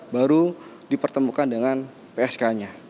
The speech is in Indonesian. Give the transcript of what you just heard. baru dipertemukan dengan psk nya